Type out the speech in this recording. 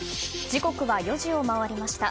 時刻は４時を回りました。